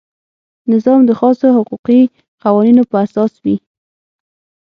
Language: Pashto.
نظام د خاصو حقوقي قوانینو په اساس وي.